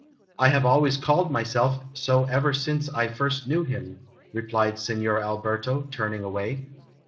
" I have always called myself so ever since I first knew him," replied Signor Alberto, turning away.